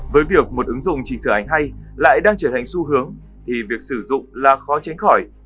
với việc một ứng dụng chỉnh sửa ảnh hay lại đang trở thành xu hướng thì việc sử dụng là khó tránh khỏi